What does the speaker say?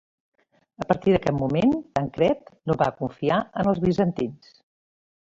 A partir d'aquest moment Tancred no va confiar en els bizantins.